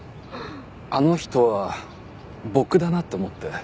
あの人は僕だなと思って。